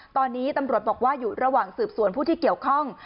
ตอนนี้ตำรวจบอกว่าอยู่ระหว่างสืบสวนผู้ที่เกี่ยวข้อง